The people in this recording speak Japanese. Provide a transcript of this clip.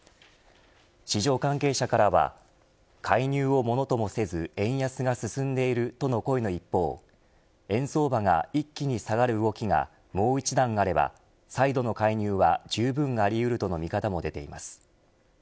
市場関係者からは介入をものともせず円安が進んでいるとの声の一方円相場が一気に下がる動きがもう一段あれば、再度の介入はじゅうぶんありうるとの見方も出ています。